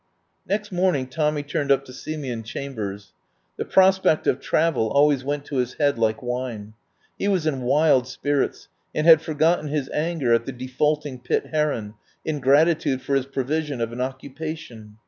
Next morning Tommy turned up to see me in Chambers. The prospect of travel always went to his head like wine. He was in wild spirits, and had forgotten his anger at the defaulting Pitt Heron in gratitude for his pro vision of an occupation.